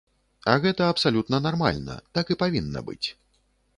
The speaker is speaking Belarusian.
А гэта абсалютна нармальна, так і павінна быць.